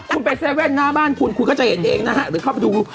คุณไป๗๑๑หน้าบ้านคุณคุณก็จะเห็นเองนะฮะหรือเข้าไปดู